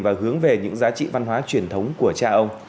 và hướng về những giá trị văn hóa truyền thống của cha ông